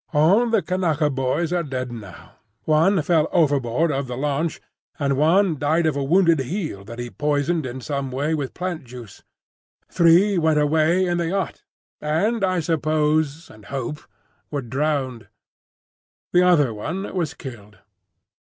All the Kanaka boys are dead now; one fell overboard of the launch, and one died of a wounded heel that he poisoned in some way with plant juice. Three went away in the yacht, and I suppose and hope were drowned. The other one—was killed.